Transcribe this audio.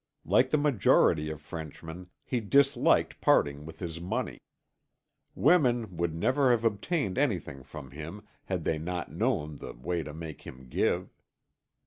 Like the majority of Frenchmen, he disliked parting with his money. Women would never have obtained anything from him had they not known the way to make him give.